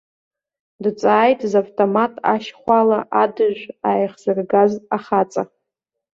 Дҵааит завтомат ашьхәала адыжә ааихзыргаз ахаҵа.